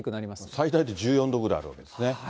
最大で１４度ぐらいあるわけですね。